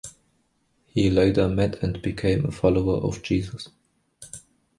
He later met and became a follower of Jesus.